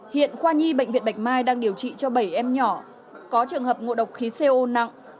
hiện khoa nhi bệnh viện bạch mai đang điều trị cho bảy em nhỏ có trường hợp ngộ độc khí co nặng